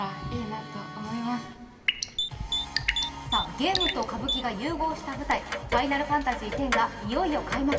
ゲームと歌舞伎が融合した舞台、「ファイナルファンタジーⅩ」がいよいよ開幕。